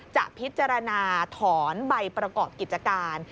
จะพิจารณาถอนใบประกอบกิจการ